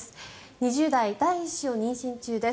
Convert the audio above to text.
２０代、第１子を妊娠中です。